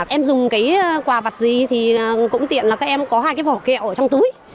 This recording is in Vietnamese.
em dùng cái quà vặt gì thì cũng tiện là các em có hai cái vỏ kẹo ở trong túi